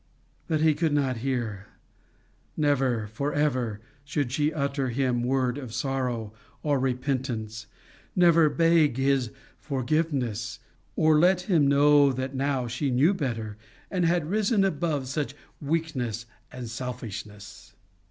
But he could not hear! Never, for evermore, should she utter to him word of sorrow or repentance! never beg his forgiveness, or let him know that now she knew better, and had risen above such weakness and selfishness!